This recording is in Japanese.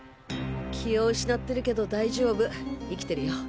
気を失ってるけど大丈夫生きてるよ。